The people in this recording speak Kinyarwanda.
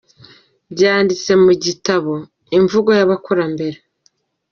Byanditse mu gitabo : Imvugo y’Abakurambere.